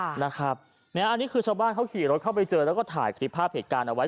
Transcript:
อันนี้คือชาวบ้านเขาขี่รถเข้าไปเจอแล้วก็ถ่ายคลิปภาพเหตุการณ์เอาไว้